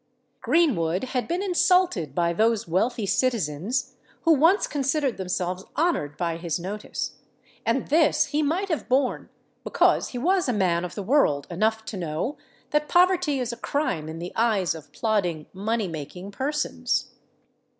Greenwood had been insulted by those wealthy citizens who once considered themselves honoured by his notice; and this he might have borne, because he was man of the world enough to know that poverty is a crime in the eyes of plodding, money making persons.